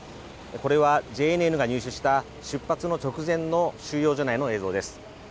これはＪＮＮが入手した出発の直前の収容所内の映像です。